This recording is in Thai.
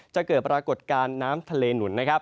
จะเกิดปรากฏการณ์น้ำทะเลหนุนนะครับ